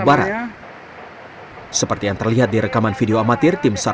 meski demikian polisi masih mendalami motivasi